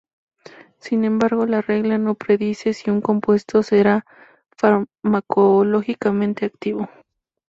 Sin embargo, la regla no predice si un compuesto será farmacológicamente activo.